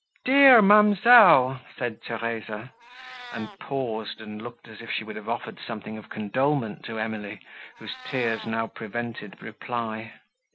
"Dear ma'amselle!" said Theresa, and paused, and looked as if she would have offered something of condolement to Emily, whose tears now prevented reply.